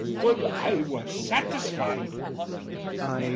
Would I were satisfied!